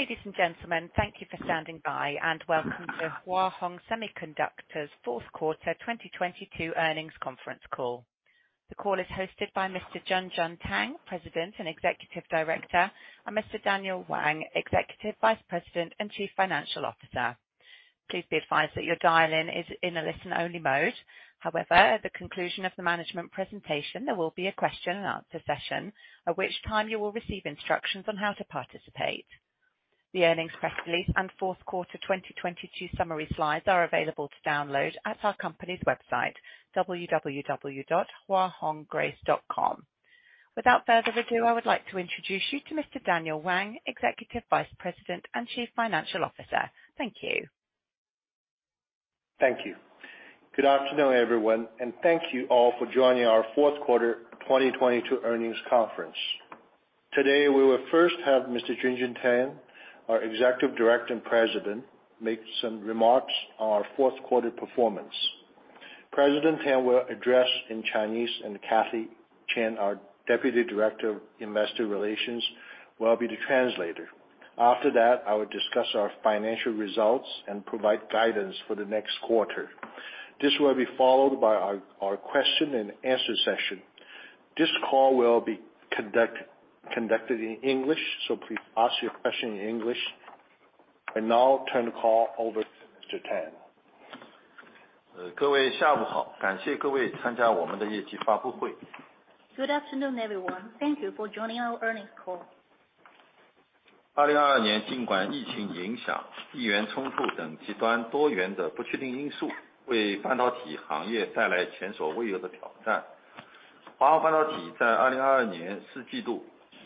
Ladies and gentlemen, thank you for standing by, welcome to Hua Hong Semiconductor's fourth quarter 2022 earnings conference call. The call is hosted by Mr. Junjun Tang, President and Executive Director, and Mr. Daniel Wang, Executive Vice President and Chief Financial Officer. Please be advised that your dial-in is in a listen-only mode. At the conclusion of the management presentation, there will be a question and answer session, at which time you will receive instructions on how to participate. The earnings press release and fourth quarter 2022 summary slides are available to download at our company's website, www.huahonggrace.com. Without further ado, I would like to introduce you to Mr. Daniel Wang, Executive Vice President and Chief Financial Officer. Thank you. Thank you. Good afternoon, everyone, thank you all for joining our fourth quarter 2022 earnings conference. Today we will first have Mr. Junjun Tang, our Executive Director and President, make some remarks on our fourth quarter performance. President Tang will address in Chinese, and Kathy Chien, our Deputy Director of Investor Relations, will be the translator. After that, I will discuss our financial results and provide guidance for the next quarter. This will be conducted in English, please ask your question in English. I now turn the call over to Tang. Good afternoon, everyone.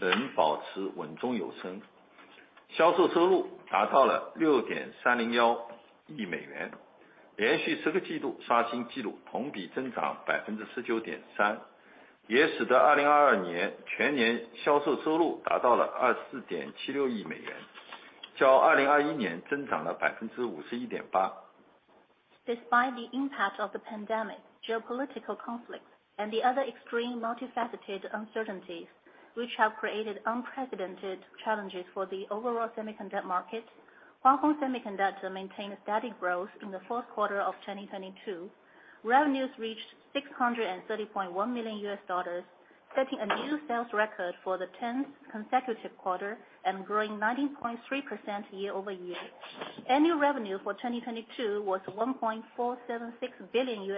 Thank you for joining our earnings call. Despite the impact of the pandemic, geopolitical conflicts and the other extreme multifaceted uncertainties which have created unprecedented challenges for the overall semiconductor market, Hua Hong Semiconductor maintained a steady growth in the fourth quarter of 2022. Revenues reached $630.1 million, setting a new sales record for the 10th consecutive quarter and growing 90.3% year-over-year. Annual revenue for 2022 was $1.476 billion,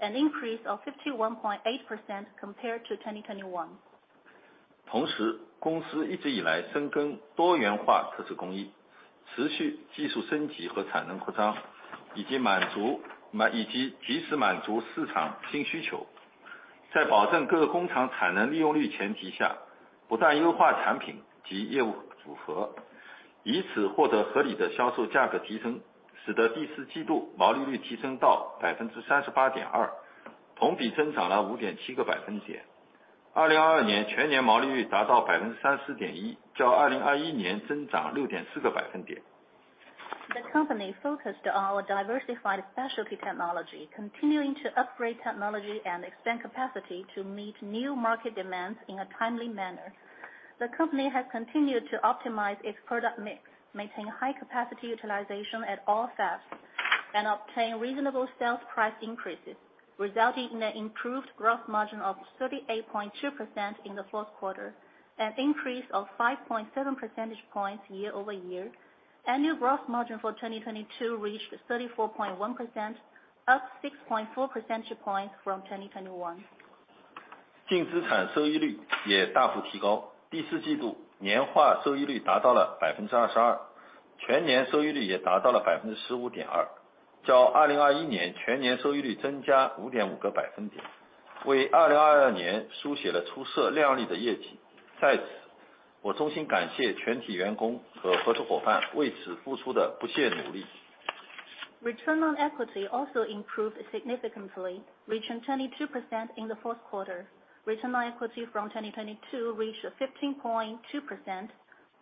an increase of 51.8% compared to 2021. The company focused our diversified specialty technology, continuing to upgrade technology and expand capacity to meet new market demands in a timely manner. The company has continued to optimize its product mix, maintain high capacity utilization at all fabs, and obtain reasonable sales price increases, resulting in an improved gross margin of 38.2% in the fourth quarter, an increase of 5.7 percentage points year-over-year. Annual gross margin for 2022 reached 34.1%, up 6.4 percentage points from 2021. Return on equity also improved significantly, reaching 22% in the fourth quarter. Return on equity from 2022 reached 15.2%,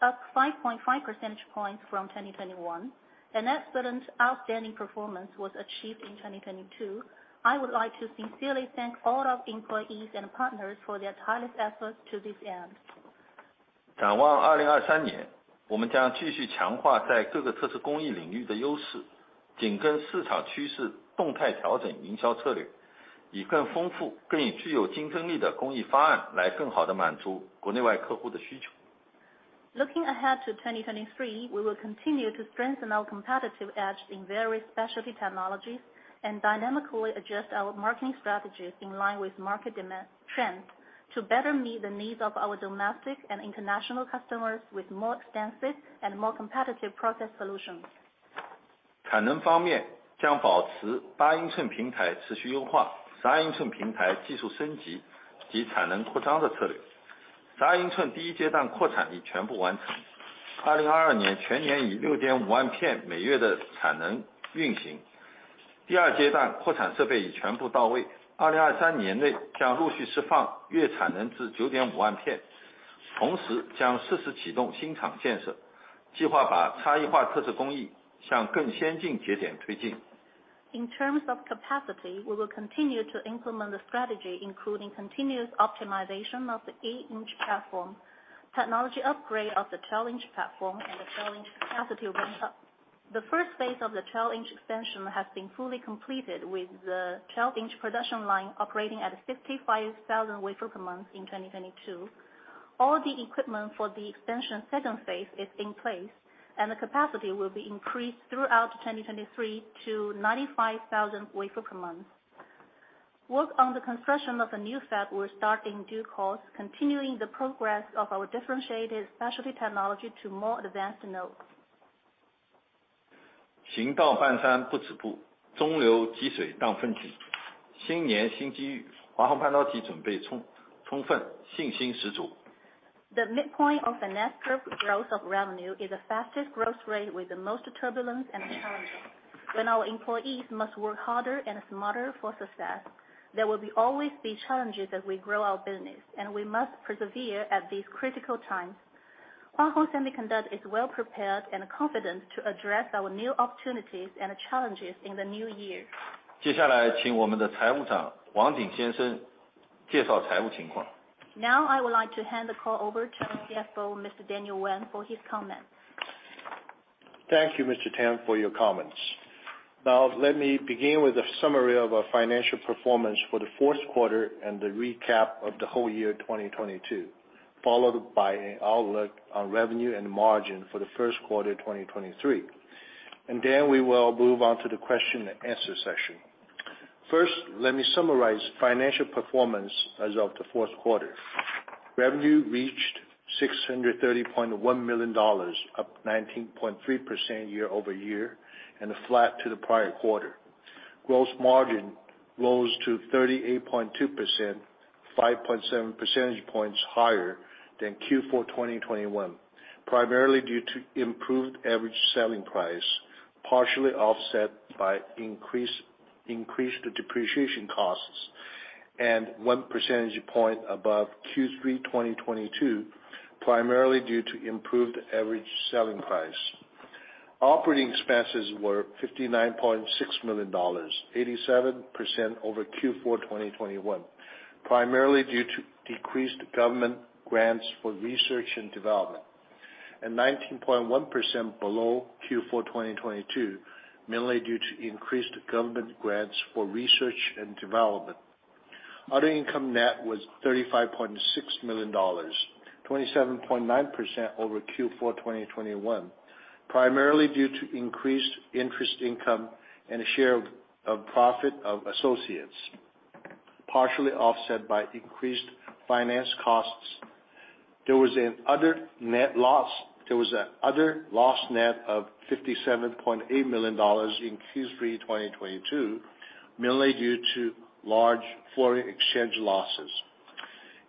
up 5.5 percentage points from 2021. An excellent outstanding performance was achieved in 2022. I would like to sincerely thank all our employees and partners for their tireless efforts to this end. Looking ahead to 2023, we will continue to strengthen our competitive edge in various specialty technologies and dynamically adjust our marketing strategies in line with market demand trends to better meet the needs of our domestic and international customers with more extensive and more competitive process solutions. In terms of capacity, we will continue to implement the strategy, including continuous optimization of the 8-inch platform, technology upgrade of the 12-inch platform and the 12-inch capacity ramp up. The Phase 1 of the 12-inch expansion has been fully completed, with the 12-inch production line operating at 65,000 wafers a month in 2022. All the equipment for the expansion Phase 2 is in place, and the capacity will be increased throughout 2023 to 95,000 wafers a month. Work on the construction of a new fab will start in due course, continuing the progress of our differentiated specialty technology to more advanced nodes. The midpoint of an S-curve growth of revenue is the fastest growth rate with the most turbulence and challenges. When our employees must work harder and smarter for success, there will always be challenges as we grow our business, and we must persevere at these critical times. Hua Hong Semiconductor is well-prepared and confident to address our new opportunities and challenges in the new year. I would like to hand the call over to our CFO, Mr. Daniel Wang, for his comments. Thank you, Mr. Tang, for your comments. Let me begin with a summary of our financial performance for the fourth quarter and the recap of the whole year 2022, followed by an outlook on revenue and margin for the first quarter 2023. We will move on to the question and answer session. First, let me summarize financial performance as of the fourth quarter. Revenue reached $630.1 million, up 19.3% year-over-year, and flat to the prior quarter. Gross margin rose to 38.2%, 5.7 percentage points higher than Q4 2021, primarily due to improved average selling price, partially offset by increased depreciation costs, and 1 percentage point above Q3 2022, primarily due to improved average selling price. Operating expenses were $59.6 million, 87% over Q4 2021, primarily due to decreased government grants for research and development, and 19.1% below Q4 2022, mainly due to increased government grants for research and development. Other income net was $35.6 million, 27.9% over Q4 2021, primarily due to increased interest income and share of profit of associates, partially offset by increased finance costs. There was an other loss net of $57.8 million in Q3 2022, mainly due to large foreign exchange losses.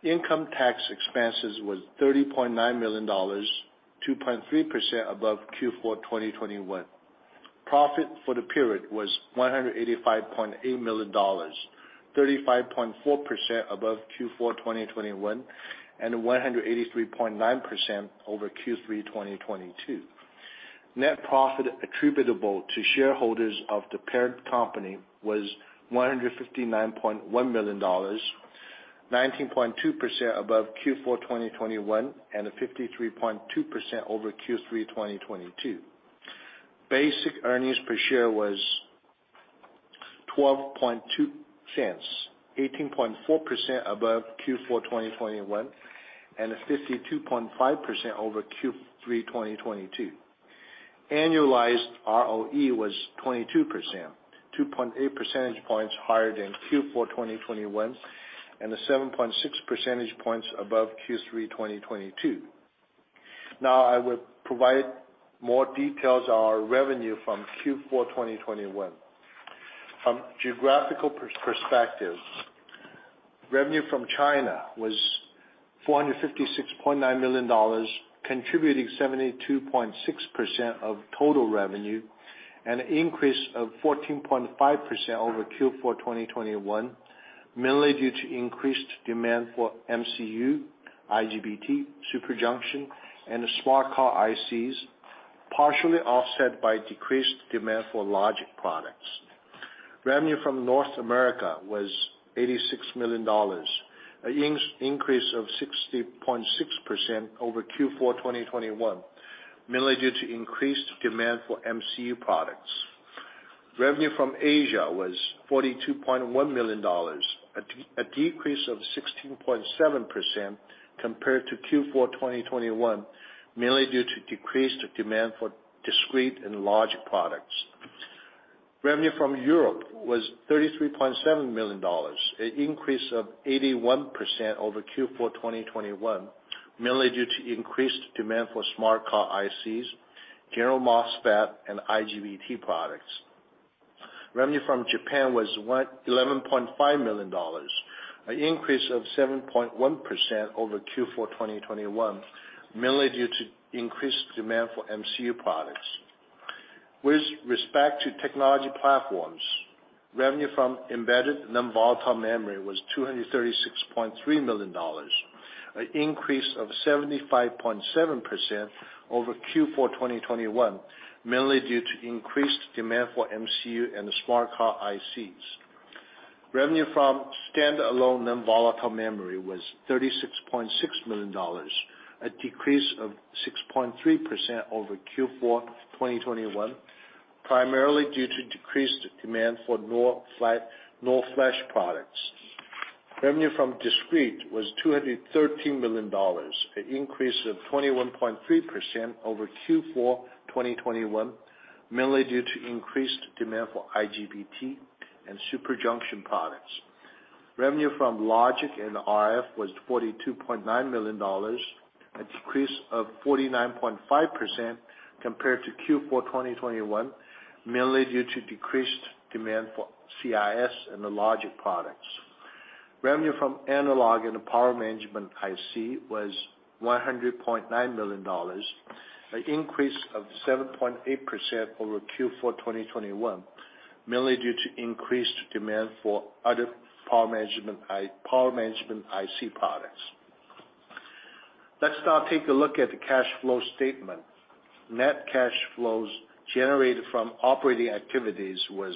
Income tax expenses was $30.9 million, 2.3% above Q4 2021. Profit for the period was $185.8 million, 35.4% above Q4 2021, and 183.9% over Q3 2022. Net profit attributable to shareholders of the parent company was $159.1 million, 19.2% above Q4 2021, and 53.2% over Q3 2022. Basic earnings per share was $0.122, 18.4% above Q4 2021, and 52.5% over Q3 2022. Annualized ROE was 22%, 2.8 percentage points higher than Q4 2021, and 7.6 percentage points above Q3 2022. Now, I will provide more details on our revenue from Q4 2021. From geographical perspective, revenue from China was $456.9 million, contributing 72.6% of total revenue, and an increase of 14.5% over Q4 2021, mainly due to increased demand for MCU, IGBT, super junction, and smart car ICs, partially offset by decreased demand for logic products. Revenue from North America was $86 million, an increase of 60.6% over Q4 2021, mainly due to increased demand for MCU products. Revenue from Asia was $42.1 million, a decrease of 16.7% compared to Q4 2021, mainly due to decreased demand for discrete and logic products. Revenue from Europe was $33.7 million, an increase of 81% over Q4 2021, mainly due to increased demand for smart car ICs, general MOSFET, and IGBT products. Revenue from Japan was $11.5 million, an increase of 7.1% over Q4 2021, mainly due to increased demand for MCU products. With respect to technology platforms. Revenue from embedded nonvolatile memory was $236.3 million, an increase of 75.7% over Q4 2021, mainly due to increased demand for MCU and smart car ICs. Revenue from stand-alone nonvolatile memory was $36.6 million, a decrease of 6.3% over Q4 2021, primarily due to decreased demand for NOR flash products. Revenue from discrete was $213 million, an increase of 21.3% over Q4 2021, mainly due to increased demand for IGBT and super junction products. Revenue from logic and RF was $42.9 million, a decrease of 49.5% compared to Q4 2021, mainly due to decreased demand for CIS and logic products. Revenue from analog and power management IC was $100.9 million, an increase of 7.8% over Q4 2021, mainly due to increased demand for other power management IC products. Let's now take a look at the cash flow statement. Net cash flows generated from operating activities was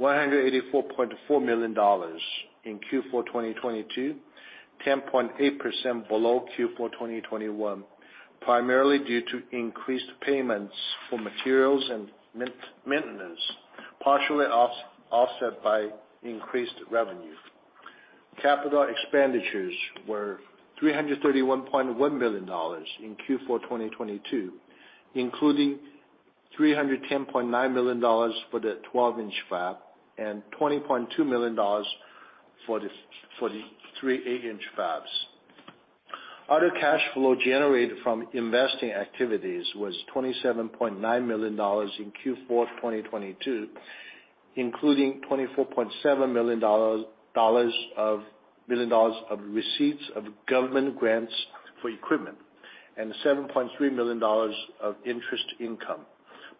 $184.4 million in Q4 2022, 10.8% below Q4 2021, primarily due to increased payments for materials and maintenance, partially offset by increased revenue. Capital expenditures were $331.1 million in Q4 2022, including $310.9 million for the 12-inch fab and $20.2 million for the three 8-inch fabs. Other cash flow generated from investing activities was $27.9 million in Q4 2022, including $24.7 million of receipts of government grants for equipment and $7.3 million of interest income,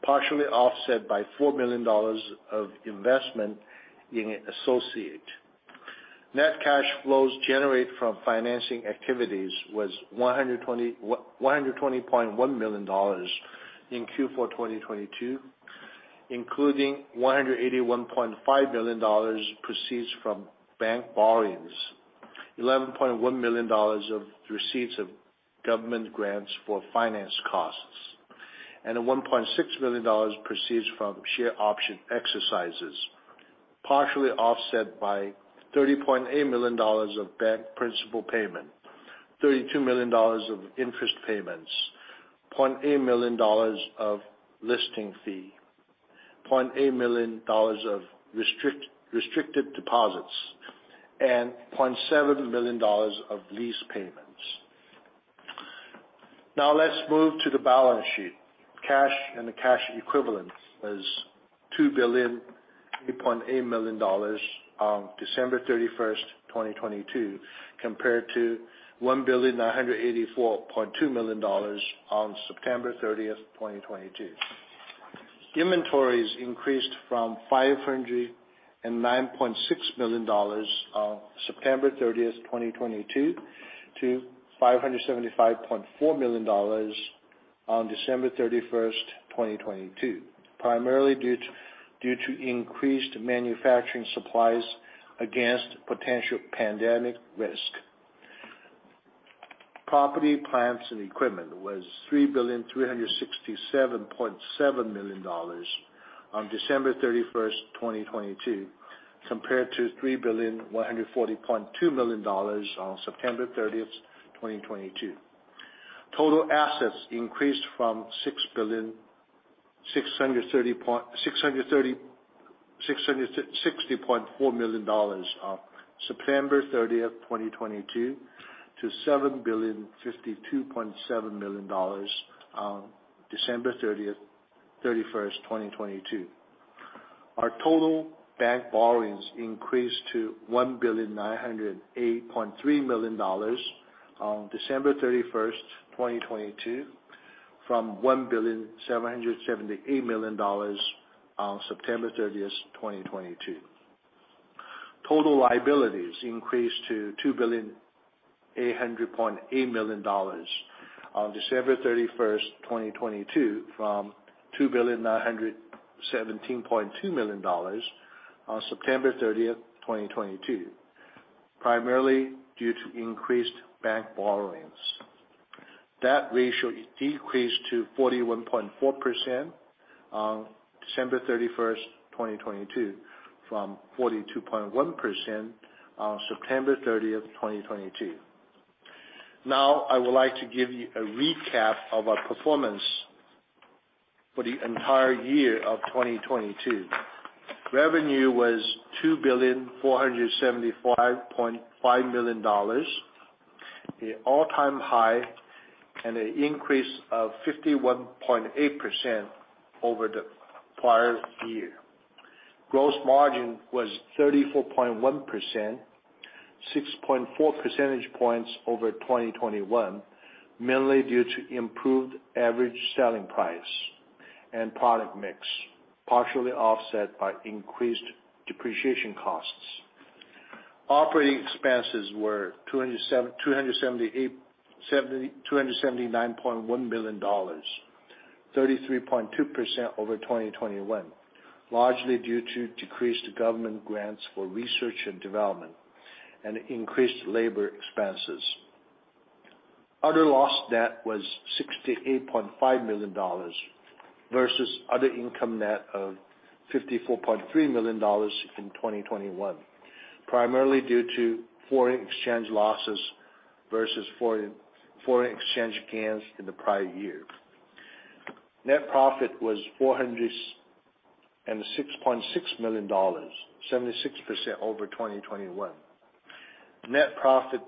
partially offset by $4 million of investment in associate. Net cash flows generated from financing activities was $120.1 million in Q4 2022, including $181.5 million proceeds from bank borrowings, $11.1 million of receipts of government grants for finance costs, and $1.6 million proceeds from share option exercises, partially offset by $30.8 million of bank principal payment, $32 million of interest payments, $0.8 million of listing fee, $0.8 million of restricted deposits, and $0.7 million of lease payments. Now, let's move to the balance sheet. Cash and cash equivalents was $2,008.8 million on December 31st, 2022, compared to $1,984.2 million on September 30th, 2022. Inventories increased from $509.6 million on September 30th, 2022, to $575.4 million on December 31st, 2022, primarily due to increased manufacturing supplies against potential pandemic risk. Property, plants, and equipment was $3,367.7 million on December 31st, 2022, compared to $3,140.2 million on September 30th, 2022. Total assets increased from $6,660.4 million on September 30th, 2022, to $7,052.7 million on December 31st, 2022. Our total bank borrowings increased to $1,908.3 million on December 31st, 2022, from $1,778 million on September 30th, 2022. Total liabilities increased to $2,800.8 million on December 31st, 2022, from $2,917.2 million on September 30th, 2022, primarily due to increased bank borrowings. Debt ratio decreased to 41.4% on December 31st, 2022, from 42.1% on September 30th, 2022. I would like to give you a recap of our performance for the entire year of 2022. Revenue was $2,475.5 million, an all-time high and an increase of 51.8% over the prior year. Gross margin was 34.1percentSix point four percentage points over 2021, mainly due to improved average selling price and product mix, partially offset by increased depreciation costs. Operating expenses were $279.1 million, 33.2% over 2021, largely due to decreased government grants for research and development and increased labor expenses. Other loss net was $68.5 million versus other income net of $54.3 million in 2021, primarily due to foreign exchange losses versus foreign exchange gains in the prior year. Net profit was $406.6 million, 76% over 2021. Net profit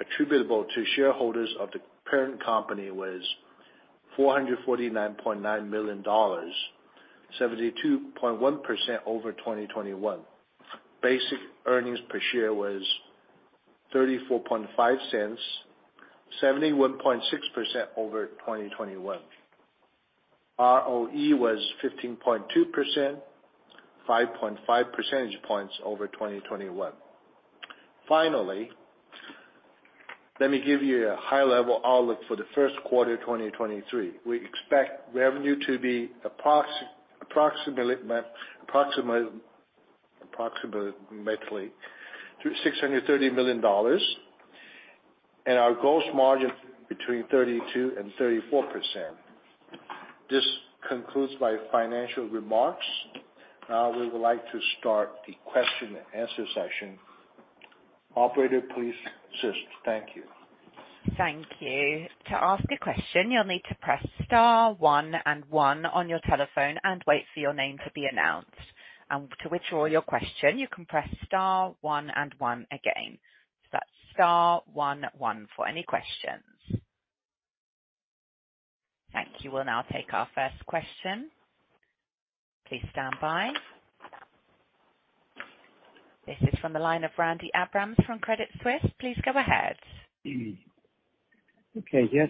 attributable to shareholders of the parent company was $449.9 million, 72.1% over 2021. Basic earnings per share was $0.345, 71.6% over 2021. ROE was 15.2%, 5.5 percentage points over 2021. Finally, let me give you a high-level outlook for the first quarter 2023. We expect revenue to be approximately $630 million, and our gross margin between 32% and 34%. This concludes my financial remarks. Now we would like to start the question and answer session. Operator, please assist. Thank you. Thank you. To ask a question, you'll need to press star one and one on your telephone and wait for your name to be announced. To withdraw your question, you can press star one and one again. That's star one one for any questions. Thank you. We'll now take our first question. Please stand by. This is from the line of Randy Abrams from Credit Suisse. Please go ahead. Okay. Yes,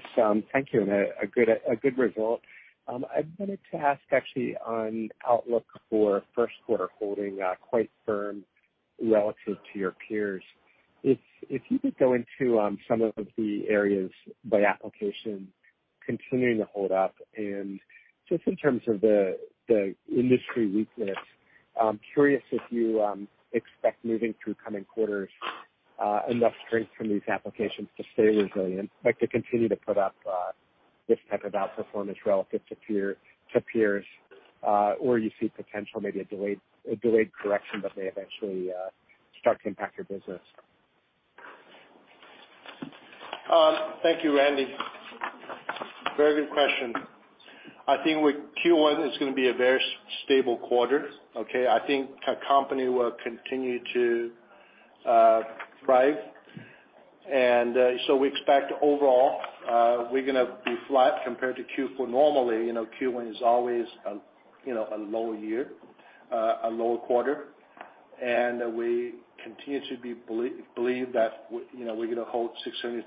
thank you. A good result. I wanted to ask actually on outlook for first quarter holding quite firm relative to your peers. If you could go into some of the areas by application continuing to hold up and just in terms of the industry weakness, I'm curious if you expect moving through coming quarters, enough strength from these applications to stay resilient, like to continue to put up this type of outperformance relative to peers, or you see potential, a delayed correction that may eventually start to impact your business? Thank you, Randy. Very good question. I think with Q1 is gonna be a very stable quarter, okay. I think our company will continue to thrive. We expect overall, we're gonna be flat compared to Q4. normally Q1 is always a low year, a low quarter. We continue to believe that we we're gonna hold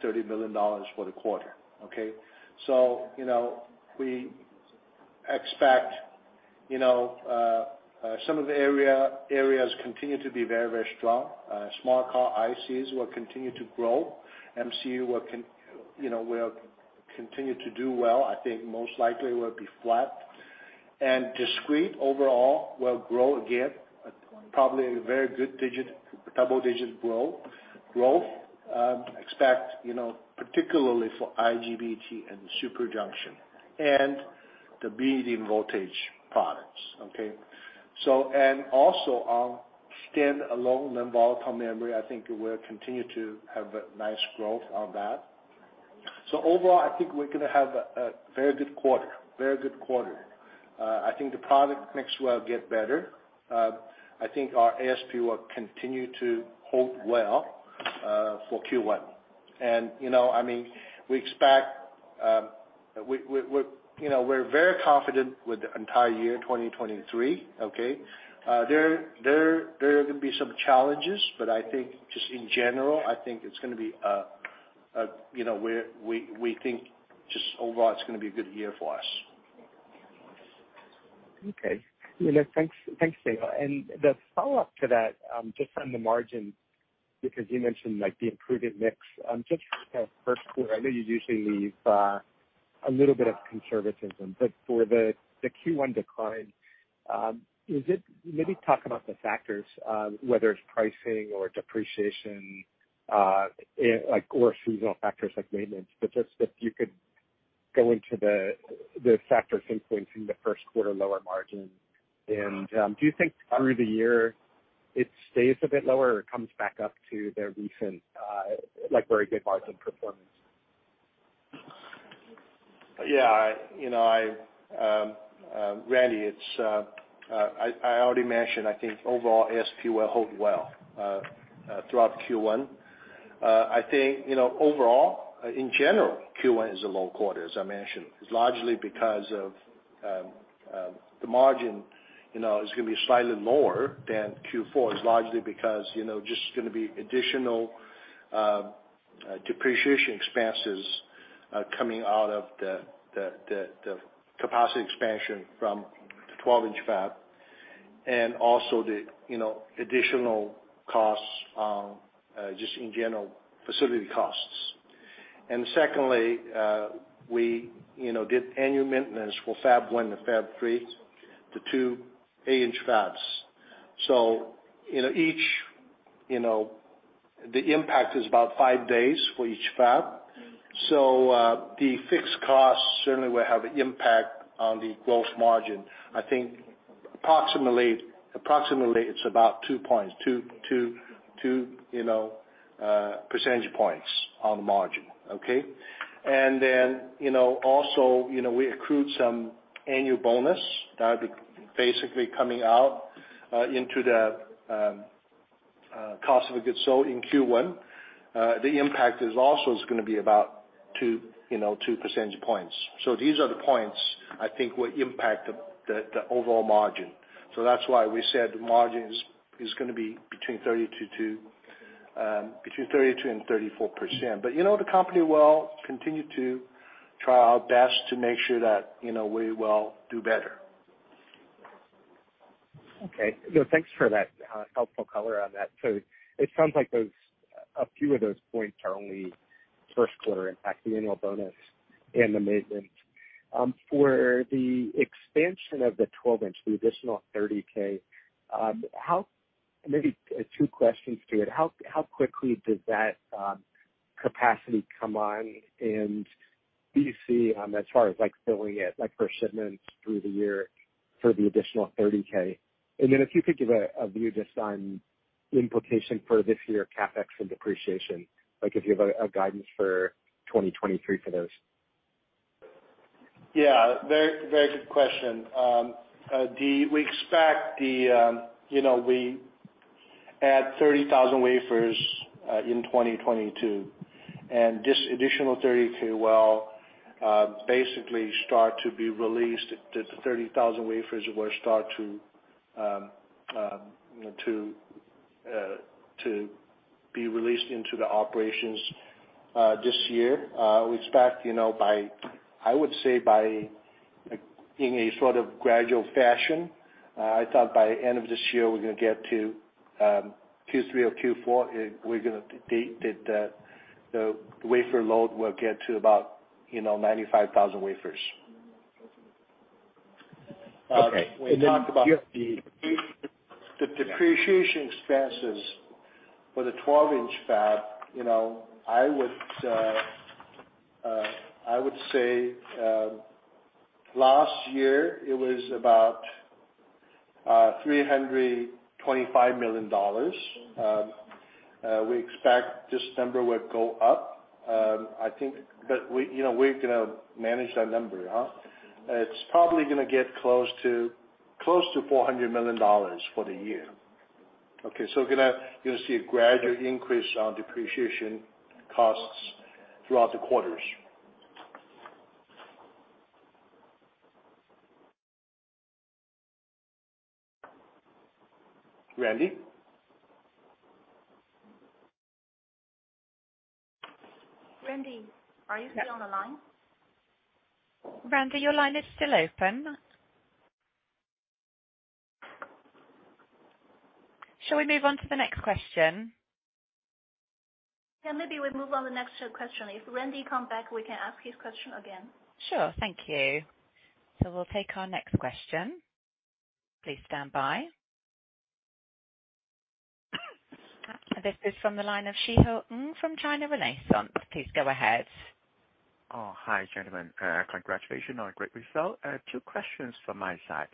$630 million for the quarter, okay. We expect some of the areas continue to be very, very strong. Smart car ICs will continue to grow. MCU will continue to do well, I think most likely will be flat. Discrete overall will grow again, probably a very good digit, double-digit growth, expect particularly for IGBT and super junction and the medium voltage products, okay. Also, stand-alone nonvolatile memory, I think we'll continue to have a nice growth on that. Overall, I think we're gonna have a very good quarter. I think the product mix will get better. I think our ASP will continue to hold well for Q1., I mean, we expect, we're we're very confident with the entire year 2023, okay. There are gonna be some challenges, but I think just in general, I think it's gonna be we think just overall it's gonna be a good year for us. Okay. Thanks. Thanks, Daniel. The follow-up to that, just on the margin, because you mentioned, like, the improving mix. Just for first quarter, I know you usually leave a little bit of conservatism, but for the Q1 decline. Maybe talk about the factors, whether it's pricing or depreciation, like or seasonal factors like maintenance, but just if you could go into the factors influencing the first quarter lower margin. Do you think through the year it stays a bit lower or it comes back up to the recent, like, very good margin performance? Yeah., Randy, it's, I already mentioned I think overall ASP will hold well throughout Q1. I think overall, in general, Q1 is a low quarter, as I mentioned. It's largely because of the margin is gonna be slightly lower than Q4. It's largely because just gonna be additional depreciation expenses coming out of the capacity expansion from the 12-inch fab and also the additional costs just in general facility costs. Secondly, we did annual maintenance for fab one to fab three, the two 8-inch fabs. each the impact is about five days for each fab. The fixed costs certainly will have an impact on the gross margin. I think approximately it's about 2 percentage points on the margin. also we accrued some annual bonus that would be basically coming out into the cost of goods sold in Q1. The impact is also gonna be about 2 percentage points. These are the points I think will impact the overall margin. That's why we said the margin is gonna be between 32% and 34%., the company will continue to try our best to make sure that we will do better. Okay. No, thanks for that helpful color on that. It sounds like those, a few of those points are only first quarter impact, the annual bonus and the maintenance. For the expansion of the 12-inch, the additional 30K. Maybe, two questions to it. How quickly does that capacity come on? Do you see, as far as, like, filling it, like for shipments through the year for the additional 30K? Then if you could give a view this time implication for this year CapEx and depreciation, like if you have a guidance for 2023 for those? Yeah. Very, very good question. We expect the we add 30,000 wafers in 2022. This additional 30K will basically start to be released. The 30,000 wafers will start to be released into the operations this year. We expect by in a sort of gradual fashion, I thought by end of this year we're gonna get to Q3 or Q4, the wafer load will get to about 95,000 wafers. Okay. Do you have the-? When you talk about the depreciation expenses for the 12-inch fab I would say, last year it was about $325 million. We expect this number would go up. I think but we we're gonna manage that number, huh. It's probably gonna get close to $400 million for the year. Okay? We're gonna, you'll see a gradual increase on depreciation costs throughout the quarters. Randy? Randy, are you still on the line? Randy, your line is still open. Shall we move on to the next question? Yeah. Maybe we move on the next question. If Randy come back, we can ask his question again. Sure. Thank you. We'll take our next question. Please stand by. This is from the line of Szeho Ng from China Renaissance. Please go ahead. Oh, hi, gentlemen. Congratulations on a great result. Two questions from my side.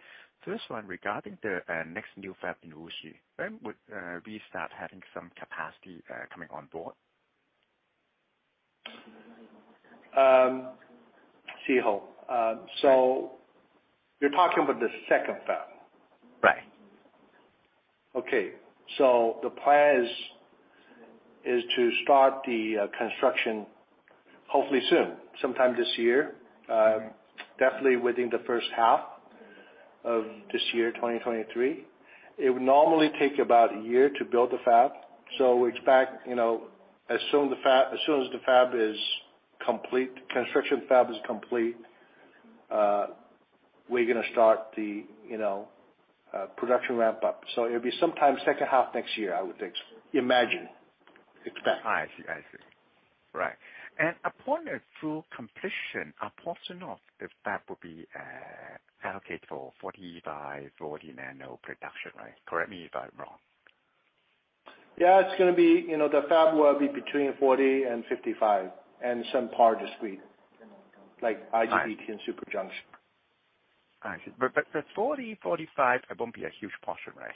First one, regarding the next new fab in Wuxi. When would we start having some capacity coming on board? Szeho, you're talking about the second fab? Right. Okay. The plan is to start the construction hopefully soon, sometime this year, definitely within the H1 of this year, 2023. It would normally take about a year to build the fab. We expect as soon as the fab is complete, construction fab is complete, we're gonna start the production ramp up. It'd be sometime H2 next year, I would think, imagine, expect. I see. I see. Right. Upon a full completion, a portion of the fab will be allocated for 40 by 40 nano production, right? Correct me if I'm wrong. Yeah, it's gonna be the fab will be between 40 and 55, and some part discrete, like IGBT and super junction. I see. for 40-45, it won't be a huge portion, right?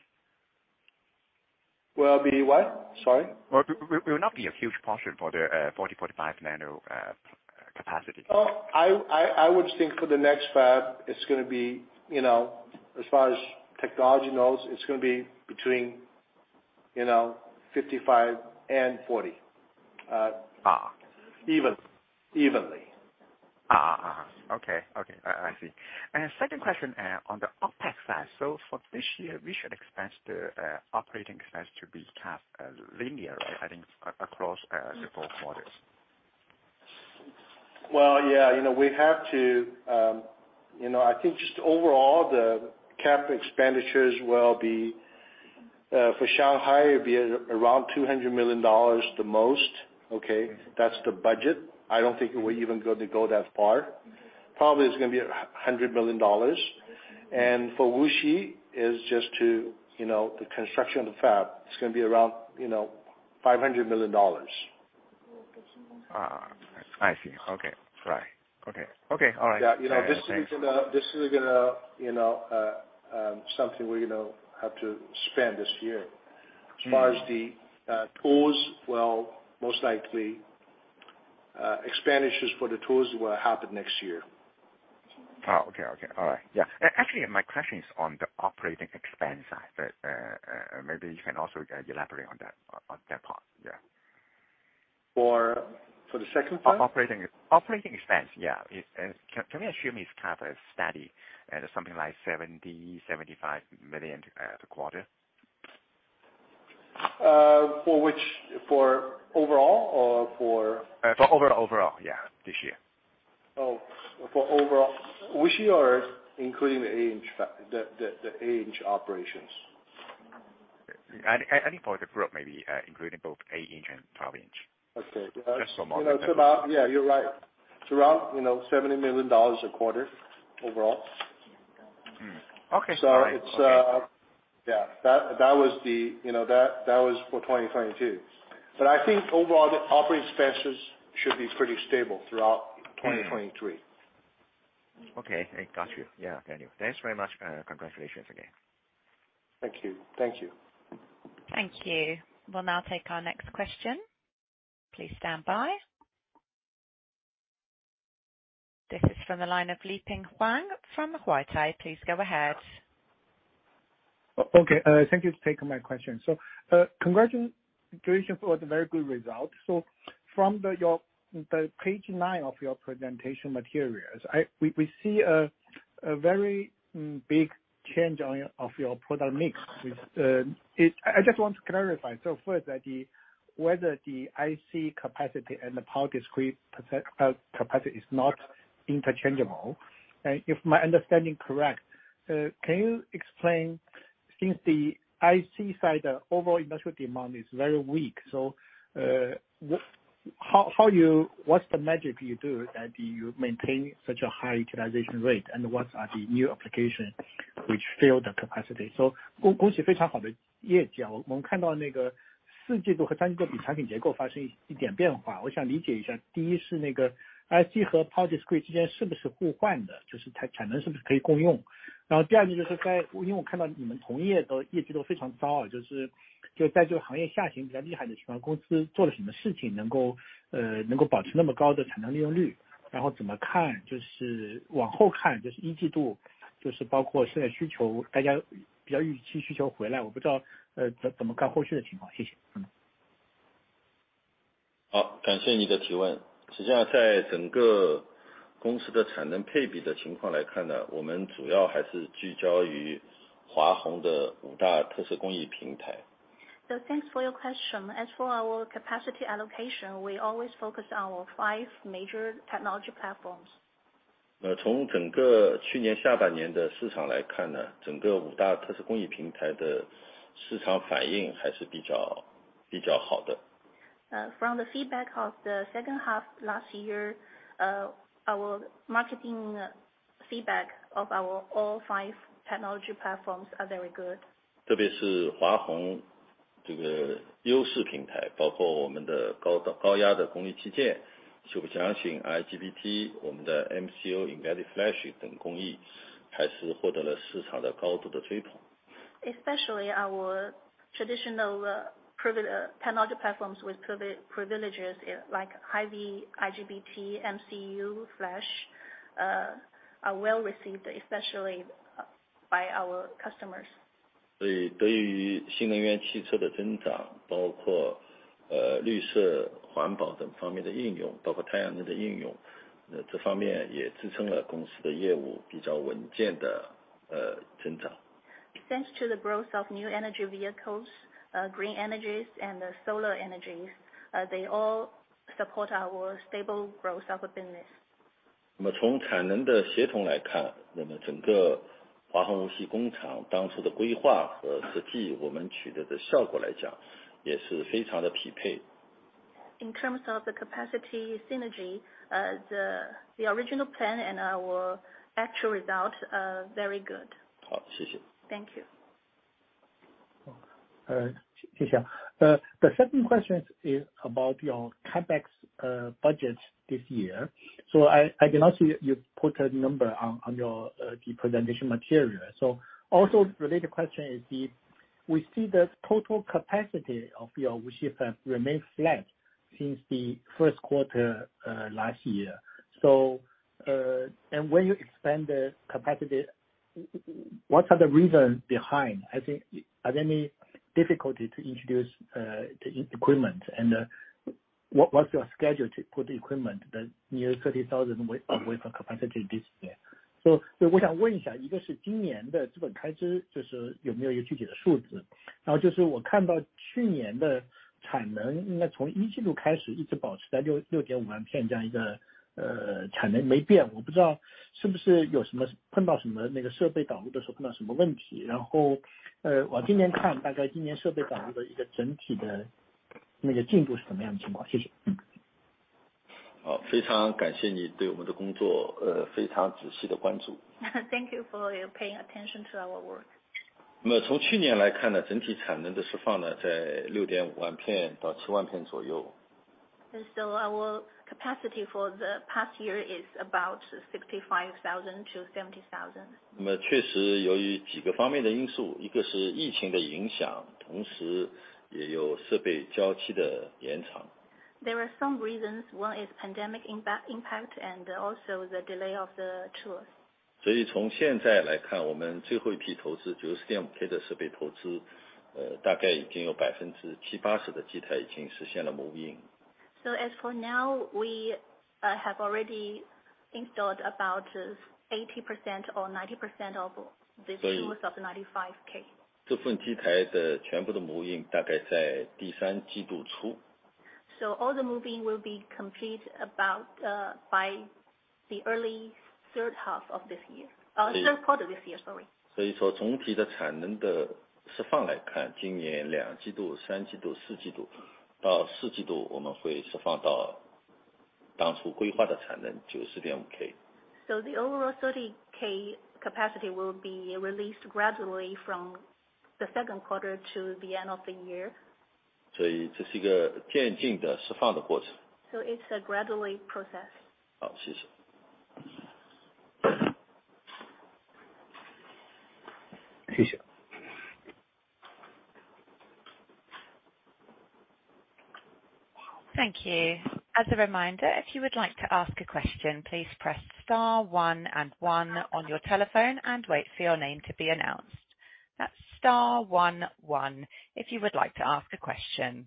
Will be what? Sorry. Will not be a huge portion for the 40/45 nano. Well, I would think for the next fab, it's gonna be as far as technology nodes, it's gonna be between 55 and 40. Ah. Even, evenly. Okay. I see. Second question on the OpEx side. For this year, we should expect the operating expense to be kept linear, I think, across the four quarters. Well, yeah we have to., I think just overall, the cap expenditures will be for Shanghai, it'll be around $200 million the most. Okay? That's the budget. I don't think we're even going to go that far. Probably it's gonna be $100 million. For Wuxi, is just to the construction of the fab, it's gonna be around $500 million. I see. Okay. Right. Okay. Okay. All right. Yeah., this is gonna something we're gonna have to spend this year. As far as the tools, well, most likely, expenditures for the tools will happen next year. Oh, okay. Okay. All right. Yeah. Actually, my question is on the operating expense side, maybe you can also elaborate on that part. Yeah. For the second part? Operating expense, yeah. Can we assume it's kind of steady and something like $70 million-$75 million a quarter? For which? For overall or? For overall. Overall, yeah. This year. Oh, for overall. Wuxi or including the 8-inch operations? I think for the group maybe, including both 8-inch and 12-inch. Okay. Just for model., it's about. Yeah, you're right. It's around $70 million a quarter overall. Okay. All right. It's. Yeah., that was for 2022. I think overall the operating expenses should be pretty stable throughout 2023. Okay. I got you. Yeah. Thank you. Thanks very much. Congratulations again. Thank you. Thank you. Thank you. We'll now take our next question. Please stand by. This is from the line of Leping Huang from Huatai. Please go ahead. Okay. Thank you for taking my question. Congratulations for the very good results. From the page 9 of your presentation materials, we see a very big change of your product mix. I just want to clarify. First that whether the IC capacity and the power discrete capacity is not interchangeable. If my understanding correct, can you explain, since the IC side, overall industrial demand is very weak, how you... What's the magic you do that you maintain such a high utilization rate and what are the new application which fill the capacity? Thanks for your question. As for our capacity allocation, we always focus on our 5 major technology platforms. From the feedback of the H2 last year, our marketing feedback of our all 5 technology platforms are very good. Especially our traditional technology platforms with privileges, like HV IGBT, MCU Flash, are well received, especially by our customers. Thanks to the growth of new energy vehicles, green energies and solar energies, they all support our stable growth of business. In terms of the capacity synergy, the original plan and our actual results are very good. Thank you. The 2nd question is about your CapEx budget this year. I did not see you put a number on your presentation material. Also related question is theWe see the total capacity of your wafer remains flat since the 1st quarter last year. When you expand the capacity, what are the reasons behind? I think, are there any difficulty to introduce the equipment and what's your schedule to put the equipment that near 30,000 wafer capacity this year? Thank you for your paying attention to our work. Our capacity for the past year is about 65,000-70,000. There are some reasons. One is pandemic impact and also the delay of the tools. As for now, we have already installed about 80% or 90% of the tools of 95K. All the moving will be complete about by the early H3 of this year. Third quarter this year, sorry. The overall 30K capacity will be released gradually from the second quarter to the end of the year. It's a gradually process. Oh, sure. Thank you. Thank you. As a reminder, if you would like to ask a question, please press star one and one on your telephone and wait for your name to be announced. That's star one one if you would like to ask a question.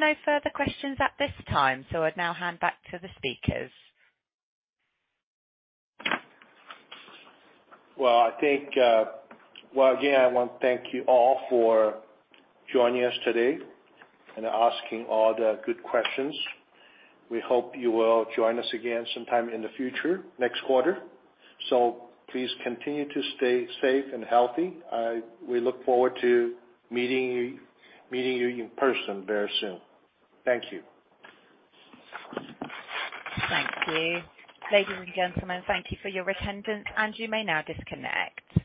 There are no further questions at this time, so I'd now hand back to the speakers. I think, again, I want to thank you all for joining us today and asking all the good questions. We hope you will join us again sometime in the future, next quarter. Please continue to stay safe and healthy. We look forward to meeting you in person very soon. Thank you. Thank you. Ladies and gentlemen, thank you for your attendance. You may now disconnect.